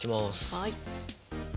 はい。